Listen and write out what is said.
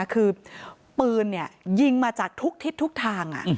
คือปืนยิงมาจากทุกทิศทุกทาง